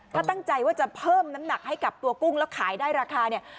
ถ้าตั้งใจว่าจะเพิ่มน้ำหนักให้กับตัวกุ้งแล้วขายได้ราคาเนี่ย